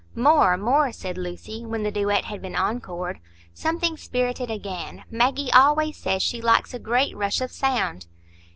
"More, more!" said Lucy, when the duet had been encored. "Something spirited again. Maggie always says she likes a great rush of sound."